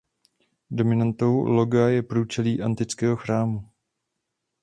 Dominantou loga je průčelí antického chrámu.